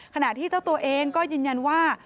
ขณะที่เจ้าตัวเองก็ยืนยันว่า